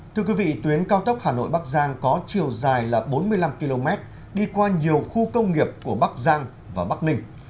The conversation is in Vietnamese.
thưa quý vị tuyến cao tốc hà nội bắc giang có chiều dài là bốn mươi năm km đi qua nhiều khu công nghiệp của bắc giang và bắc ninh